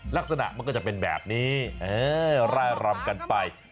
ลักษณะมันก็จะเป็นแบบนี้ร่ายรำกันไป